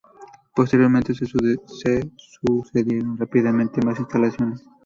Posteriormente, se sucedieron rápidamente más instalaciones.